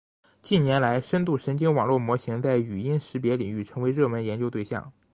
近年来，深度神经网络模型在语音识别领域成为热门研究对象。